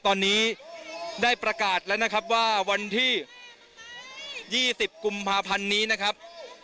ตอนนี้ได้ประกาศแล้วนะครับว่าวันที่๒๐กุมภาพันธ์นี้นะครับ